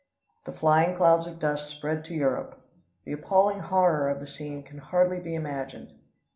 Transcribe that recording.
The flying clouds of dust spread to Europe. The appalling horror of the scene can hardly be imagined.